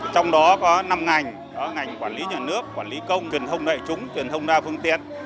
trong đó có năm ngành đó ngành quản lý nhà nước quản lý công truyền thông đại chúng truyền thông đa phương tiện